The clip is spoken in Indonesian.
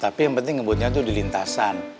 tapi yang penting ngebutnya itu di lintasan